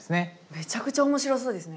めちゃくちゃ面白そうですね。